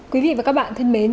quý vị và các bạn thân mến